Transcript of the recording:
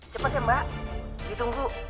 cepet ya mbak ditunggu